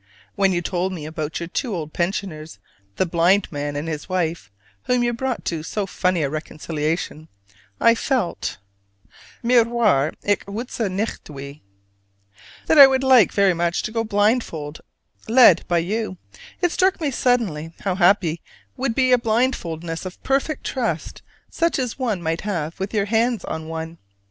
When you told me about your two old pensioners, the blind man and his wife, whom you brought to so funny a reconciliation, I felt ("mir war, ich wuszte nicht wie") that I would like very much to go blindfold led by you: it struck me suddenly how happy would be a blindfoldness of perfect trust such as one might have with your hands on one.